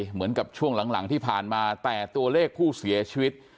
เหมือนกับช่วงหลังที่ผ่านมาแต่ตัวเลขผู้เสียชีวิต